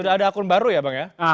sudah ada akun baru ya bang ya